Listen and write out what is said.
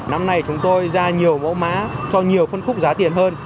năm nay chúng tôi ra nhiều mẫu mã cho nhiều phân khúc giá tiền hơn